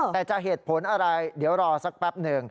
แต่จะเหตุผลอะไรเดี๋ยวรอสักแป๊บหนึ่ง